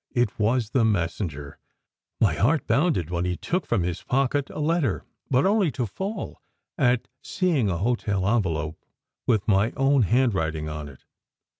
It was the messenger. My heart bounded when he took from his pocket a letter, but only to fall at seeing a hotel envelope with my own handwriting on it.